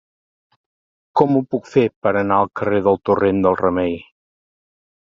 Com ho puc fer per anar al carrer del Torrent del Remei?